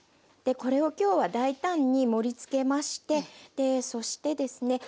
これを今日は大胆に盛りつけましてそしてですね